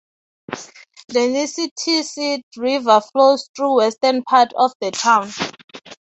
The Nissitissit River flows through the western part of the town.